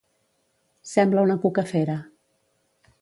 Sembla una cucafera.